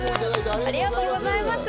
ありがとうございます。